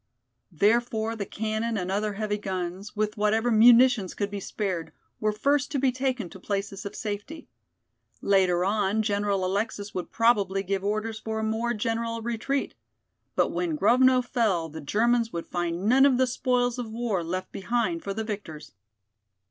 Therefore the cannon and other heavy guns, with whatever munitions could be spared, were first to be taken to places of safety. Later on General Alexis would probably give orders for a more general retreat. But when Grovno fell the Germans would find none of the spoils of war left behind for the victors.